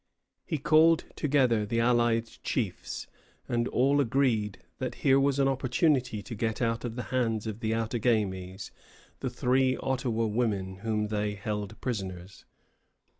He called together the allied chiefs, and all agreed that here was an opportunity to get out of the hands of the Outagamies the three Ottawa women whom they held prisoners.